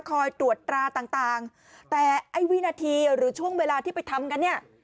คอยตรวจตราต่างแต่ไอ้วินาทีหรือช่วงเวลาที่ไปทำกันเนี่ย